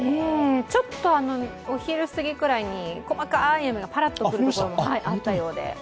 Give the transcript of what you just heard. ちょっとお昼すぎくらいに細かい雨がパラッと降ったところもあったようで。